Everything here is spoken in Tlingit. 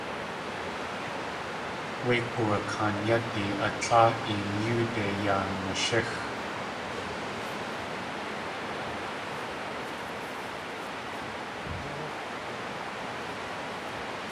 Wé g̲uwakaan yádi a tláa teen yóode yaa nashíx.